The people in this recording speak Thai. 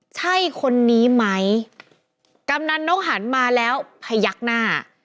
ใช่คนนี้ไหมกำนันนกหันมาแล้วพยักหน้า